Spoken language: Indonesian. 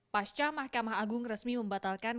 pasca mahkamah agung resmi membatalkan